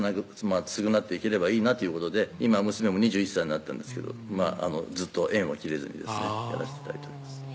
償っていければいいなということで今娘も２１歳になったんですけどずっと縁は切れずにですねやらして頂いております